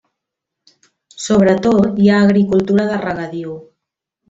Sobretot hi ha agricultura de regadiu.